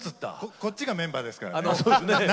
こっちがメンバーですからね。